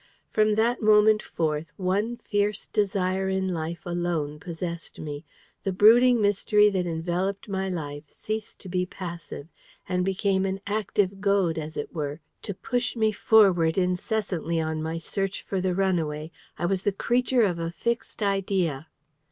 From that moment forth, one fierce desire in life alone possessed me. The brooding mystery that enveloped my life ceased to be passive, and became an active goad, as it were, to push me forward incessantly on my search for the runaway I was the creature of a fixed idea.